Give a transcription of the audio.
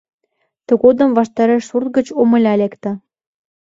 Тыгодым ваштареш сурт гыч Омыля лекте.